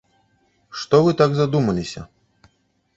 Што вы так задумаліся?